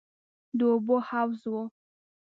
د اوبو حوض و.